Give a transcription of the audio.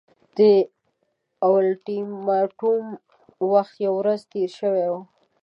د اولټیماټوم وخت یوه ورځ تېر شوی وو.